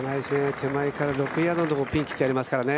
手前から６ヤードのところにピンを切ってありますからね